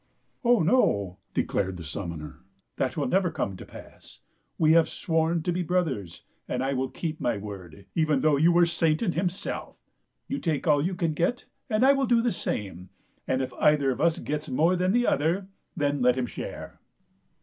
" Oh, no," declared the summoner, " that will never come to pass. We have sworn to be brothers, and I will keep my word, even though you were Satan him self. You take all you can g*et, and I will do the same ; and if either of us gets more than the other, then let him share."